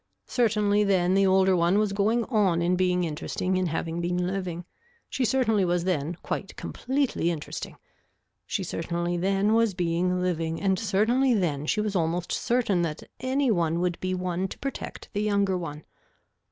Certainly then the older one was going on in being interesting in having been living, she certainly was then quite completely interesting. She certainly then was being living and certainly then she was almost certain that any one would be one to protect the younger one.